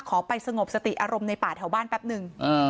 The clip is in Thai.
ไปสงบสติอารมณ์ในป่าแถวบ้านแป๊บนึง